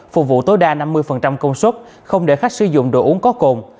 phục vụ tối đa năm mươi công suất không để khách sử dụng đồ uống có cồn